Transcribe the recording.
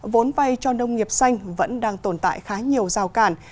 vốn vay cho nông nghiệp xanh vẫn đang tồn tại khá nhiều rào cản